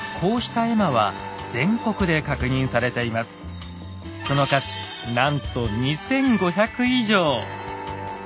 その数なんと２，５００以上。